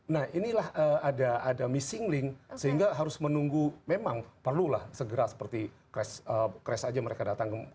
nah inilah ada missing link sehingga harus menunggu memang perlulah segera seperti crash aja mereka datang ke